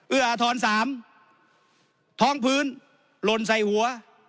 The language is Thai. เอื้ออทร๓ท้องพื้นหล่นใส่หัว